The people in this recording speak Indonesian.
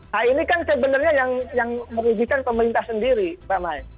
nah ini kan sebenarnya yang merugikan pemerintah sendiri pak mai